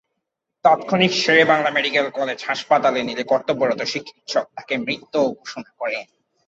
তাৎক্ষণিক Sher e Bangla medical college হাসপাতালে নিলে কর্তব্যরত চিকিৎসক তাকে মৃত ঘোষণা করেন।